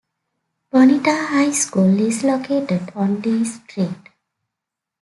Bonita High School is located on D Street.